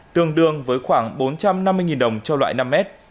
tương đương với khoảng bốn trăm năm mươi đồng cho loại năm mét